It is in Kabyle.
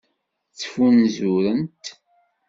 Ttfunzurent.